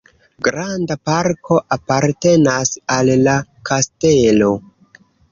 Granda parko apartenas al la kastelo.